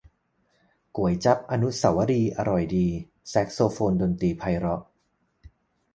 ก๋วยจั๊บอนุเสาวรีย์อร่อยดี แซกโซโฟนดนตรีไพเราะ